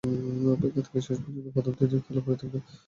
অপেক্ষায় থেকে শেষ পর্যন্ত প্রথম দিনের খেলা পরিত্যক্তই ঘোষণা করতে হয়েছে।